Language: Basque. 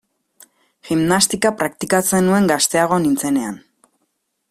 Gimnastika praktikatzen nuen gazteago nintzenean.